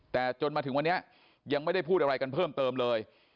แต่จนมาถึงวันนี้ยังไม่ได้พูดอะไรกันเพิ่มเติมเลย